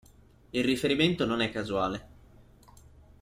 Il riferimento non è casuale.